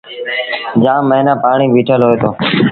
جآم موهيݩآ پآڻيٚ بيٚٺل هوئي دو۔